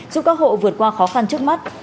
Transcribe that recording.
giúp các hộ vượt qua khó khăn trước mắt